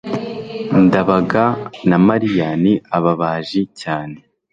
ndabaga na mariya ni ababaji cyane